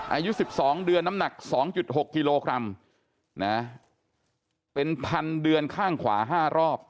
อายุสิบสองเดือนน้ำหนักสองจุดหกกิโลกรัมนะฮะเป็นพันเดือนข้างขวาห้ารอบ